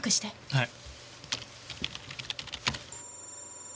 はい。